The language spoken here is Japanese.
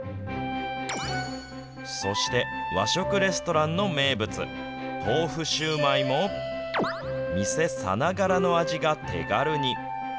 そして、和食レストランの名物、豆腐シューマイも、店さながらの味が手軽に。